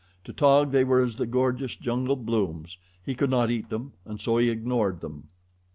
To Taug they were as the gorgeous jungle blooms he could not eat them and so he ignored them.